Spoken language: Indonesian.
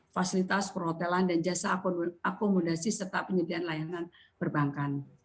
fasilitas perhotelan dan jasa akomodasi serta penyediaan layanan perbankan